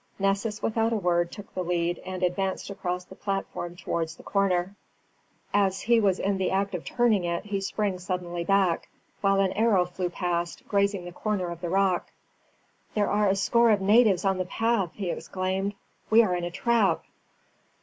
Nessus without a word took the lead, and advanced across the platform towards the corner. As he was in the act of turning it he sprang suddenly back, while an arrow flew past, grazing the corner of the rock. "There are a score of natives on the path!" he exclaimed. "We are in a trap."